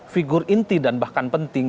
figur inti dan bahkan penting